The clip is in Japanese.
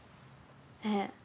ええ。